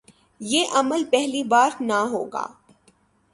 یہ عمل پہلی بار نہ ہو گا۔